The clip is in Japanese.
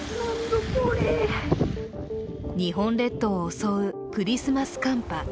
日本列島を襲うクリスマス寒波。